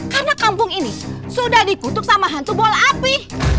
karena kampung ini sudah dikutuk sama hantu bola api